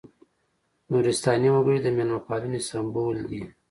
نورستاني وګړي د مېلمه پالنې سمبول دي.